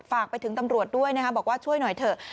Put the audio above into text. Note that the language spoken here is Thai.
ฝากไปถึงตำรวจด้วยนะครับบอกว่าช่วยหน่อยเถอะ